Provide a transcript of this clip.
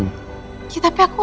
ya tapi aku gak akan